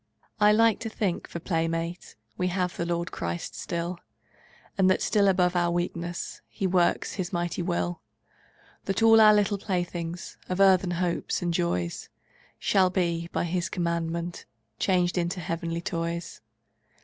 I like to think, for playmate We have the Lord Christ still, And that still above our weakness He works His mighty will, That all our little playthings Of earthen hopes and joys Shall be, by His commandment, Changed into heavenly toys.